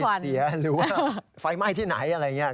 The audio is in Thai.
เสียหรือว่าไฟไหม้ที่ไหนอะไรอย่างนี้